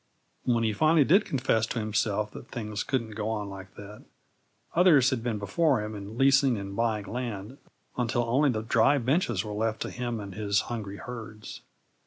When he finally did confess to himself that things couldn't go on like that, others had been before him in leasing and buying land, until only the dry benches were left to him and his hungry herds.